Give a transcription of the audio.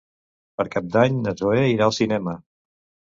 Per Cap d'Any na Zoè irà al cinema.